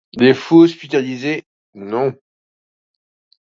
Les fous hospitalisés, non.